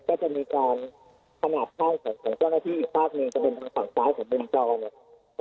ก็จะมีการหนัดข้างของผลก็คืออีกภาพนึงจะเป็นฝั่งซ้ายของบริจาโว